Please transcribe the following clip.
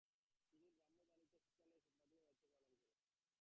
তিনি ব্রাহ্ম বালিকা শিক্ষালয়ের সম্পাদিকার দায়িত্ব পালন করেন।